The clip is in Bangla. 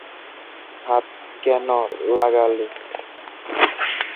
হাত কেন লাগালি?